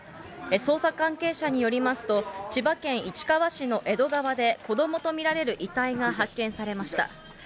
捜査関係者によりますと、千葉県市川市の江戸川で、子どもと見られる遺体が発見されました。